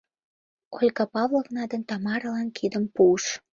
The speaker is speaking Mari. Ольга Павловна ден Тамаралан кидым пуыш.